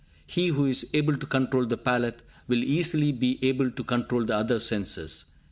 He who is able to control the palate, will easily be able to control the other senses.